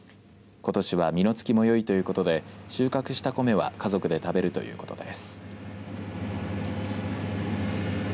ことしは実の付きもよいということで収穫した米は家族で食べるということです。